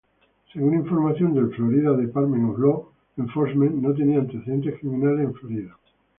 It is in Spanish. Según información del Florida Department of Law Enforcement, no tenía antecedentes criminales en Florida.